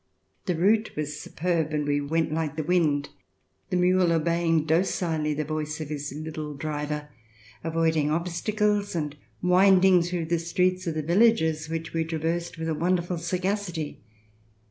The route was superb and we went like the wind, the mule obeying docilely the voice of his little driver, avoiding obstacles, and winding through the streets of the villages which we traversed, with a wonderful sagacity.